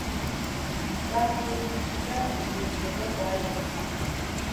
bakurikiza urugero rwa Yesu